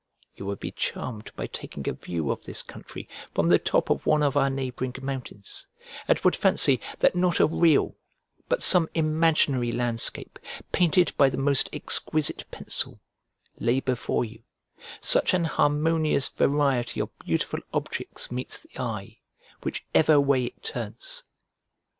You would be charmed by taking a view of this country from the top of one of our neighbouring mountains, and would fancy that not a real, but some imaginary landscape, painted by the most exquisite pencil, lay before you, such an harmonious variety of beautiful objects meets the eye, whichever way it turns.